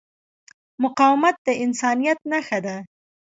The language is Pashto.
مقاومت د انسانیت نښه ده.